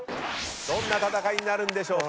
どんな戦いになるんでしょうか。